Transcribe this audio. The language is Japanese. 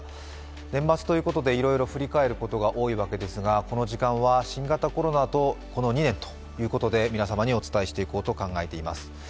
年末ということでいろいろ振り返ることが多いわけですがこの時間は新型コロナとこの２年ということで皆様にお伝えしていこうと考えています。